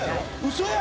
嘘や！